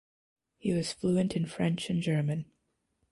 He was fluent in French and German.